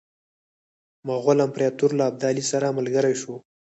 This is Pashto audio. مغول امپراطور له ابدالي سره ملګری شو.